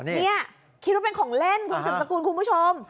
นี่คิดว่าเป็นของเล่นคุณสืบสกุลคุณผู้ชม